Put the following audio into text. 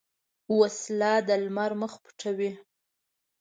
وسله د لمر مخ پټوي